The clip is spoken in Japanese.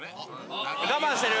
我慢してる。